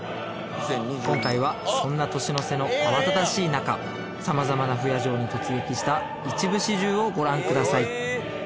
今回はそんな年の瀬の慌ただしい中様々な不夜城に突撃した一部始終をご覧ください